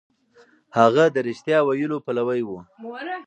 هغه د رښتيا ويلو پلوی و.